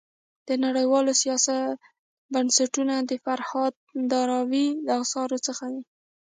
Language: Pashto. د نړيوال سیاست بنسټونه د فرهاد داوري د اثارو څخه دی.